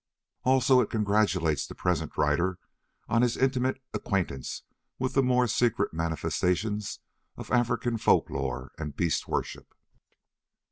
Also it congratulates the present writer on his intimate acquaintance with the more secret manifestations of African folklore and beast worship.